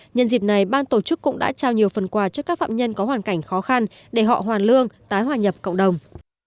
nhân dịp này ban tổ chức cũng đã trao nhiều phần quà cho các phạm nhân có hoàn cảnh khó khăn để họ hoàn lương tái hòa nhập cộng đồng